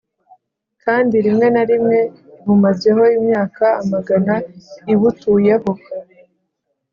kandi rimwe na rimwe ibumazeho imyaka amagana ibutuyeho,